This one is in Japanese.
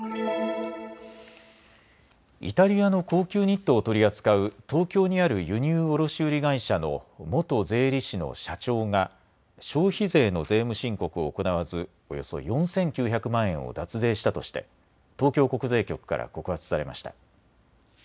イタリアの高級ニットを取り扱う東京にある輸入卸売会社の元税理士の社長が消費税の税務申告を行わず、およそ４９００万円を脱税したとして東京国税局から告発されました。